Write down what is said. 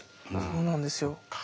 そうなんですよ。